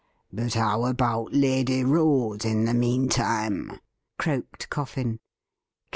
' But how about Lady Rose in the meantime .''' croaked Coffin.